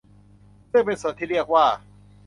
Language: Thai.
ซึ่งเป็นส่วนที่เรียกว่า